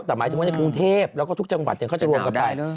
แต่หมายถึงว่าในกรุงเทพแล้วก็ทุกจังหวัดเขาจะรวมกันไป